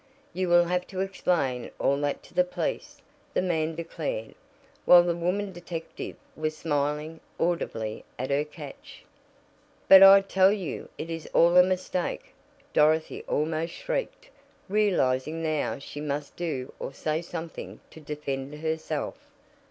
"You will have to explain all that to the police," the man declared, while the woman detective was smiling "audibly" at her catch. "But I tell you it is all a mistake!" Dorothy almost shrieked, realizing now she must do or say something to defend herself.